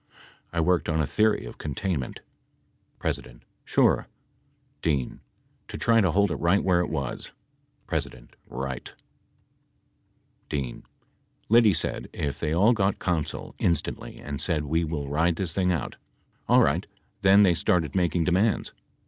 I worked on a theory of containment P. Sure. D. To try to hold it right where it was. P. Right, [p. 185.] D. ... Liddy said if they all got counsel instantly and said we will ride this thing out. Alright, then they started making demands.